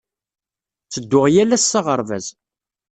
Ttedduɣ yal ass s aɣerbaz.